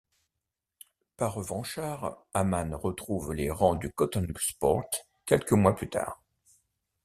Pas revanchard, Haman retrouve les rangs du Coton Sport quelques mois plus tard.